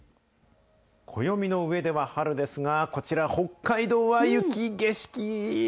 暦の上では春ですが、こちら、北海道は雪景色。